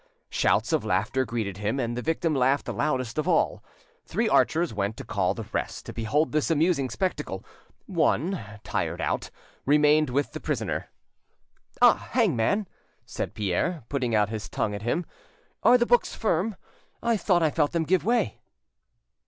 Shouts of laughter greeted him, and the victim laughed loudest of all. Three archers went to call the rest to behold this amusing spectacle; one, tired out, remained with the prisoner. "Ah, Hangman," said Pierre, putting out his tongue at him, "are the books firm? I thought I felt them give way."